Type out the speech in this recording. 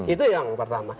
itu yang pertama